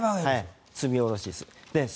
積み下ろしですね。